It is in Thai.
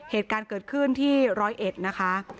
เหตุการณ์เกิดขึ้นที่ร้อยเอ็ดนะคะ